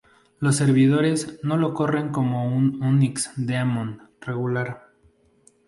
Los servidores lo corren como un Unix daemon regular.